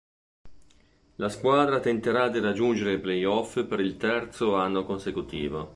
La squadra tenterà di raggiungere i playoff per il terzo anno consecutivo.